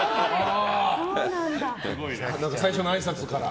最初のあいさつから？